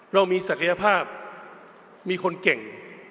เรามีศักยภาพมีคนเก่ง